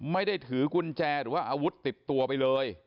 ไม่ได้ถือกุญแจหรือว่าอาวุธติดตัวไปเลย